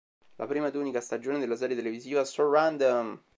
La prima ed unica stagione della serie televisiva So Random!